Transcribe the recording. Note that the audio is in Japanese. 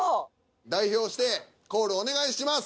代表してコールお願いします。